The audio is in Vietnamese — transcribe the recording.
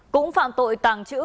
cũng phạm tội tàng trữ